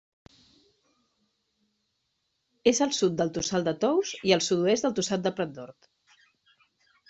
És al sud del Tossal de Tous i al sud-oest del Tossal de Prat d'Hort.